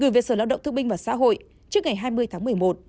gửi về sở lao động thương binh và xã hội trước ngày hai mươi tháng một mươi một